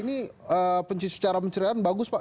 ini secara penceriaan bagus pak